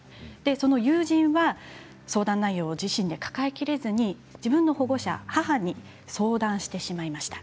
その友人は相談内容を自身で抱えきれずに自分の保護者、母に相談してしまいました。